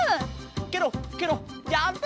ケロッケロッジャンプ！